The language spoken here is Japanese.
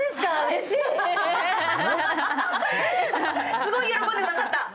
すごい喜んでくださった。